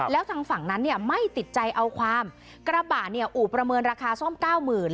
แล้วทางฝั่งนั้นไม่ติดใจเอาความกระบะอูประเมินราคาซ่อม๙๐๐๐๐บาท